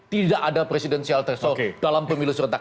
tidak ada presidensial threshold dalam pemilu serentak